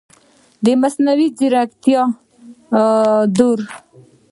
د مصنوعي ځیرکتیا دور